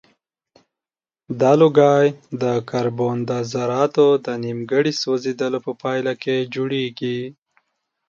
دا لوګی د کاربن د ذراتو د نیمګړي سوځیدلو په پایله کې جوړیږي.